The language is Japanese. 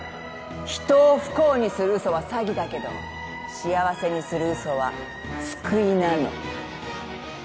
人を不幸にするうそは詐欺だけど幸せにするうそは救いなの。